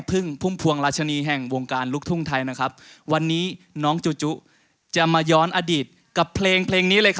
เธออยู่ในความรักของเธออยู่ในความรักของเธอ